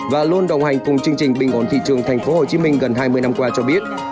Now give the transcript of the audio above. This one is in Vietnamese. và luôn đồng hành cùng chương trình bình ổn thị trường tp hcm gần hai mươi năm qua cho biết